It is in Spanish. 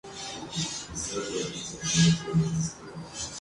Tsuyoshi Kaneko